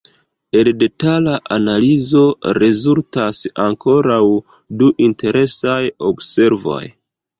El detala analizo rezultas ankoraŭ du interesaj observoj.